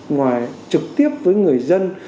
ngoài trực tiếp với người dân